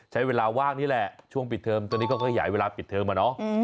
ใช้เวลาว่างนี่แหละช่วงปิดเทิมตอนนี้ก็ก็ใหญ่เวลาปิดเทิมมาเนาะ